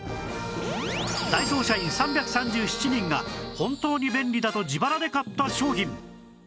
ダイソー社員３３７人が本当に便利だと自腹で買った商品